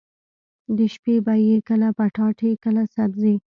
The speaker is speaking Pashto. د شپې به يې کله پټاټې کله سبزي.